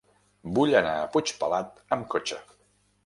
Vull anar a Puigpelat amb cotxe.